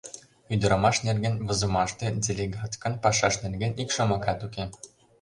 Ӱдырамаш нерген возымаште делегаткын пашаж нерген ик шомакат уке.